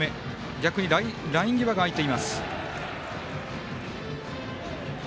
逆にライン際が空いています。